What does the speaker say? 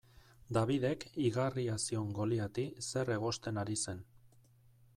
Davidek igarria zion Goliati zer egosten ari zen.